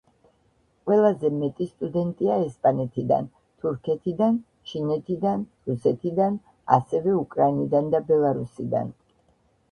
ყველაზე მეტი სტუდენტია ესპანეთიდან, თურქეთიდან, ჩინეთიდან, რუსეთიდან, ასევე უკრაინიდან და ბელარუსიდან.